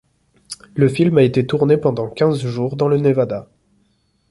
Le film a été tourné pendant quinze jours dans le Nevada.